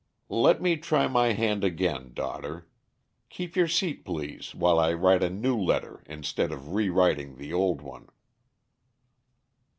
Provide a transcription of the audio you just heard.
"Let me try my hand again, daughter. Keep your seat please while I write a new letter instead of rewriting the old one."